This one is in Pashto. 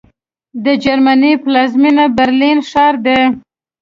د جرمني پلازمېنه برلین ښار دی